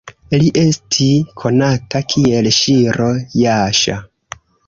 Li esti konata kiel Ŝiro-Jaŝa.